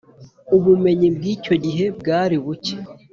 Ubumenyi bw’icyo gihe bwari bucye